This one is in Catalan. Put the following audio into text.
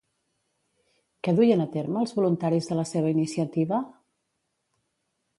Què duien a terme els voluntaris de la seva iniciativa?